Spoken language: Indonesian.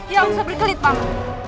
ya usah berkelit paman